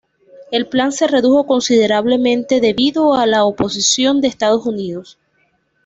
El plan se redujo considerablemente debido a la oposición de Estados Unidos.